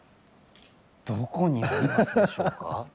どこにありますでしょうか？